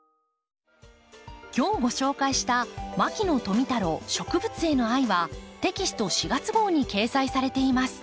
今日ご紹介した「牧野富太郎植物への愛」はテキスト４月号に掲載されています。